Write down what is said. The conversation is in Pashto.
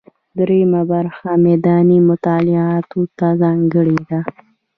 درېیمه برخه میداني مطالعاتو ته ځانګړې ده.